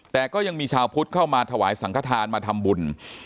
แต่ก็ยังมีชาวพุทธเข้ามาถวายสังขทานมาทำบุญ